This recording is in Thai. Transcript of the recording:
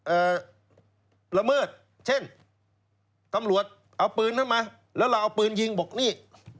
เอ่อละเมิดเช่นตำรวจเอาปืนเข้ามาแล้วเราเอาปืนยิงบอกนี่